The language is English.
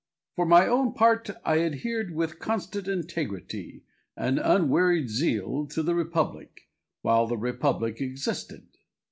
For my own part, I adhered with constant integrity and unwearied zeal to the Republic, while the Republic existed.